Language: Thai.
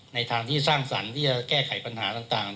ทางที่สร้างสรรค์ที่จะแก้ไขปัญหาต่าง